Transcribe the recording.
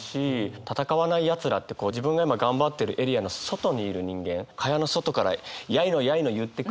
「闘わない奴等」ってこう自分が今頑張ってるエリアの外にいる人間蚊帳の外からやいのやいの言ってくる。